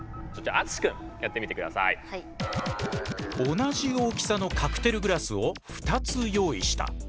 同じ大きさのカクテルグラスを２つ用意した。